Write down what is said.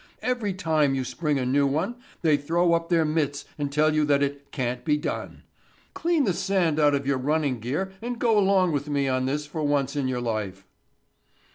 Every time you spring a new one they throw up their mitts and tell you that 'it can't be done.' Clean the sand out of your running gear and go along with me on this one for once in your life."